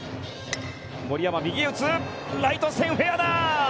森山、右へ打つ、ライト線フェアだ！